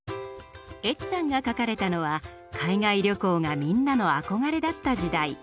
エッちゃんが描かれたのは海外旅行がみんなの憧れだった時代。